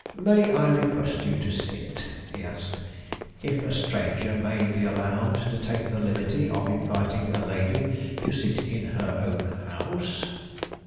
"May I request you to sit," he asked; "if a stranger may be allowed to take the liberty of inviting a lady to sit in her own house."